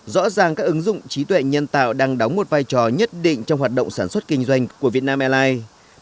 rõ ràng các ứng dụng trí tuệ nhân tạo đang đóng một vai trò nhất định trong hoạt động sản xuất kinh doanh của vietnam airlines